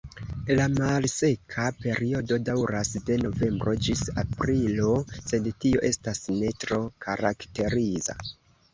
La malseka periodo daŭras de novembro ĝis aprilo, sed tio estas ne tro karakteriza.